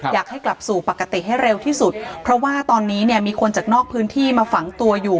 อยากให้กลับสู่ปกติให้เร็วที่สุดเพราะว่าตอนนี้เนี่ยมีคนจากนอกพื้นที่มาฝังตัวอยู่